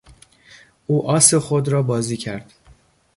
او آس خود را بازی کرد.